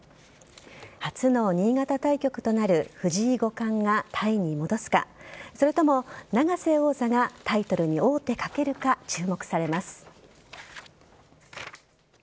初の新潟対局となる藤井五冠がタイに戻すかそれとも永瀬王座がタイトルに王手かけるか注目されます。